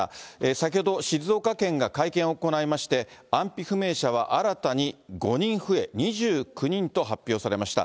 先ほど、静岡県が会見を行いまして、安否不明者は新たに５人増え、２９人と発表されました。